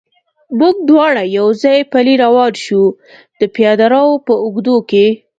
موږ دواړه یو ځای پلی روان شو، د پیاده رو په اوږدو کې.